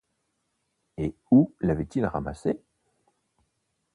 Et où l'avait-il ramassée?